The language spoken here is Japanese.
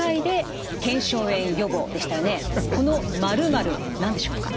この「○○」何でしょうか？